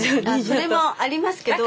それもありますけど。